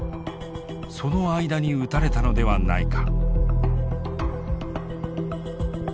その間に撃たれたのではないか？